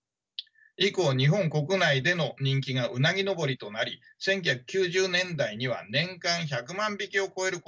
以降日本国内での人気がうなぎ登りとなり１９９０年代には年間１００万匹を超える個体が輸入されたとされます。